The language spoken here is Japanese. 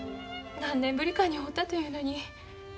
何年ぶりかに会うたというのに。